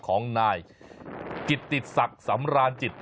ของนายกิตติดสักสำราญจิต